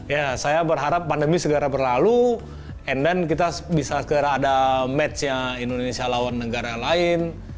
ya saya berharap pandemi segera berlalu and then kita bisa segera ada match nya indonesia lawan negara lain